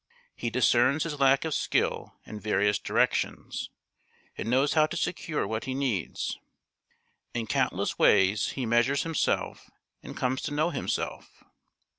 He discerns his lack of skill in various directions, and knows how to secure what he needs; in countless ways he measures himself and comes to know himself.